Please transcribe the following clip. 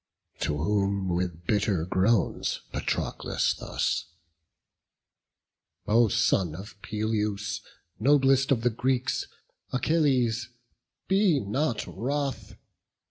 To whom, with bitter groans, Patroclus thus: "O son of Peleus, noblest of the Greeks, Achilles, be not wroth!